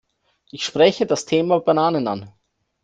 Ich spreche das Thema Bananen an.